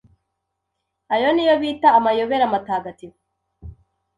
ayo niyo bita amayobera matagatifu